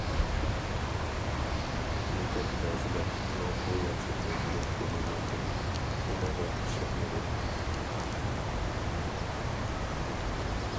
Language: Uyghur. لېكىن بەزىلەر ئۇنىڭ بۇ ياخشى نىيىتىدىن گۇمانلاندى، ئۇنىڭغا ئىشەنمىدى.